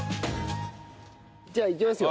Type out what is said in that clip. じゃあいきますよ。